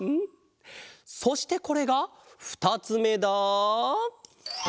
そしてこれがふたつめだ。